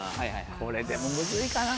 これでもムズいかな。